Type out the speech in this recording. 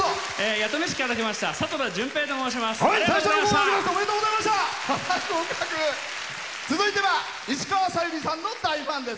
弥富市から来ましたさとだと申します。